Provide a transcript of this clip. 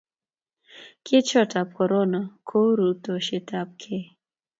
kerchot ab korona ko rutoshiet ab kei